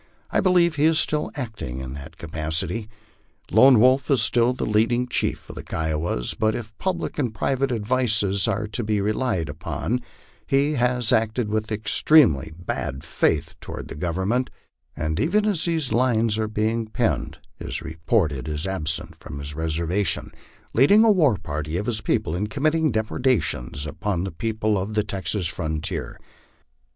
I believe he is still acting in that capacity. Lone Wolf is still the leading chief of the Kiowas; but if public and private advices are to be relied upon, he has acted with extremely bad faith toward the Government, and even as these Unes are being penned is reported as absent from his reservation, leading a war party of his people in committing depredations upon the people of the Texas fron tier.